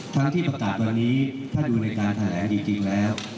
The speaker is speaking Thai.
ทั้งที่ประกาศวันนี้ถ้าดูในการแถลงจริงแล้ว